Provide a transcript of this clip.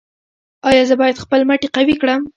ایا زه باید خپل مټې قوي کړم؟